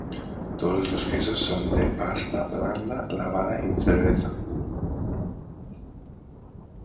Todos los quesos son de pasta blanda lavada en cerveza.